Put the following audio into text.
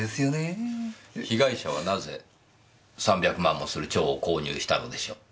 被害者はなぜ３００万もする蝶を購入したのでしょう？